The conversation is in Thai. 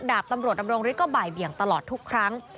ดาบตำรวจดำรงฤทธิก็บ่ายเบี่ยงตลอดทุกครั้ง